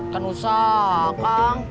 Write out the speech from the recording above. kan usah kang